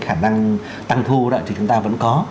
khả năng tăng thu thì chúng ta vẫn có